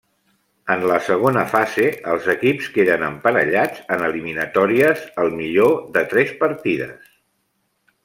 En la segona fase els equips queden emparellats en eliminatòries al millor de tres partides.